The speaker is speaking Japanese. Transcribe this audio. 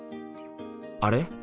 あれ？